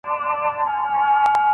انټرنېټ په ټوله نړۍ کې کارول کېږي.